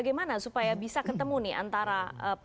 kalau yang dilihat intras